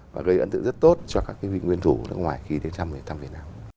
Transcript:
và gây ấn tượng rất tốt cho các người nguyên thủ nước ngoài khi đến thăm việt nam